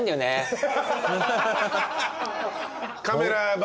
カメラバ